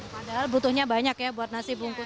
padahal butuhnya banyak ya buat nasi bungkus